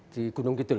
di gunung kidul